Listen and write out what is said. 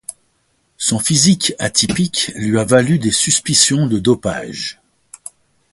Son physique atypique lui a valu des suspicions de dopage.